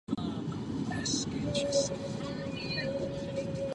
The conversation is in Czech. V následující sezóně vybojovala stříbrnou medaili na mistrovství světa juniorů.